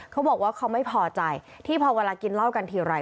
เขาบอกว่าเขาไม่พอใจที่พอเวลากินเหล้ากันทีไร